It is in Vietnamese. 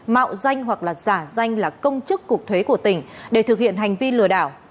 mạo danh hoặc là giả danh là công chức cục thuế của tỉnh để thực hiện hành vi lừa đảo